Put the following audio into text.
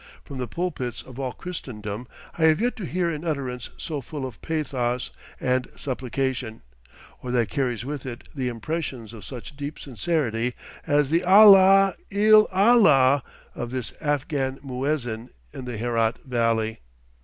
From the pulpits of all Christendom I have yet to hear an utterance so full of pathos and supplication, or that carries with it the impressions of such deep sincerity as the "Allah il A l l a h" of this Afghan muezzin in the Herat Valley.